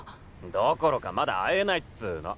どころかまだ会えないっつうの。